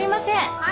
・「はい」